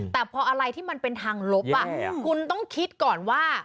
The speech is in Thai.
แต่พออะไรที่มันเป็นทางลบคุณต้องคิดก่อนว่า